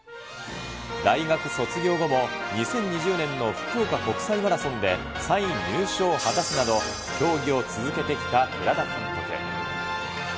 大学卒業後も、２０２０年の福岡国際マラソンで３位入賞を果たすなど競技を続けてきた寺田監督。